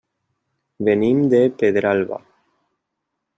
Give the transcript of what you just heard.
Venim de Pedralba.